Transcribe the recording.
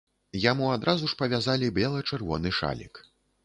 Яму адразу ж павязалі бела-чырвоны шалік.